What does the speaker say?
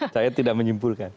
saya tidak menyimpulkan